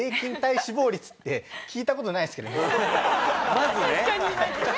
まずね。